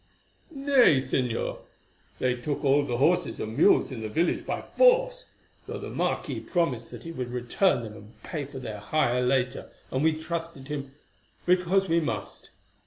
"Nay, Señor, they took all the horses and mules in the village by force, though the marquis promised that he would return them and pay for their hire later, and we trusted him because we must.